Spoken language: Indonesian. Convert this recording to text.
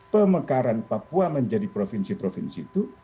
pemekaran papua menjadi provinsi provinsi itu